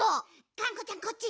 がんこちゃんこっち。